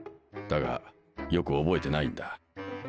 だがよく覚えてないんだ。